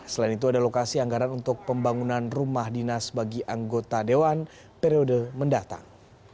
selain itu ada lokasi anggaran untuk pembangunan rumah dinas bagi anggota dewan periode mendatang